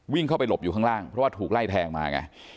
วิ่งเข้าไปหลบอยู่ข้างล่างเพราะว่าถูกไล่แทงมาไง